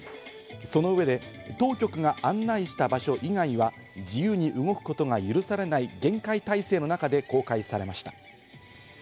その上で当局が案内した場所以外は自由に動くことが許されない厳戒態勢の中で公開されました。